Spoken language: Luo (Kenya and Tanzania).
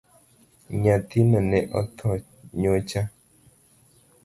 Nyathino ne otho nyocha